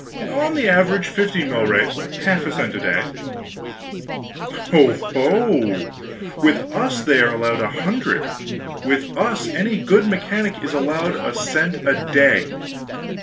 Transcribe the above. "On the average, fifty milrays; half a cent a day." "Ho ho! With us they are allowed a hundred! With us any good mechanic is allowed a cent a day!